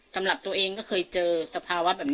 สำหรับตัวเองก็เคยเจอสภาวะแบบนี้